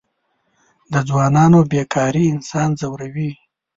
د ځوانانو بېکاري انسان ځوروي.